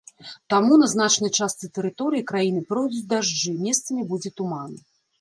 Таму на значнай частцы тэрыторыі краіны пройдуць дажджы, месцамі будзе туман.